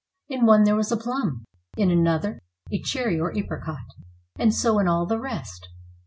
In one there was a plum; in another, a cherry or apricot; and so in all the rest.